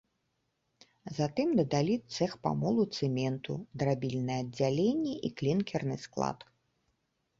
Затым дадалі цэх памолу цэменту, драбільнае аддзяленне і клінкерны склад.